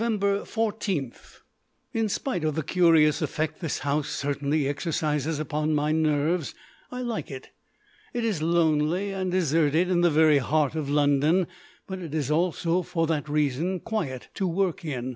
14. In spite of the curious effect this house certainly exercises upon my nerves, I like it. It is lonely and deserted in the very heart of London, but it is also for that reason quiet to work in.